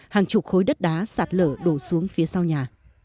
hàng chục khối đất đá sạt lở đổ xuống phía sau nhà